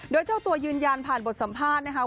โดยเจ้าตัวยืนยันผ่านบทสัมภาษณ์นะคะ